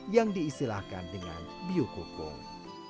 yang diistilahkan dengan biokukung